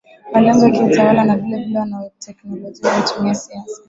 malengo ya kiutawala na vilevile wanateolojia walitumia siasa